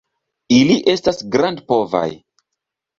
Ili estas grandpovaj.